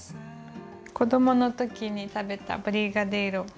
子どもの時に食べたブリガデイロ。